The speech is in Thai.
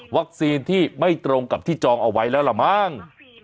ที่ไม่ตรงกับที่จองเอาไว้แล้วล่ะมั้ง